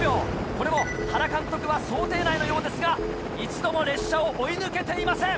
これも原監督は想定内のようですが一度も列車を追い抜けていません。